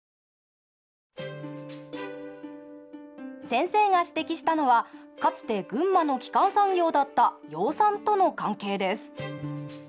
先生が指摘したのはかつて群馬の基幹産業だった養蚕との関係です。